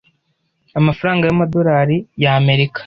amafaranga y’amadorali ya Amerika.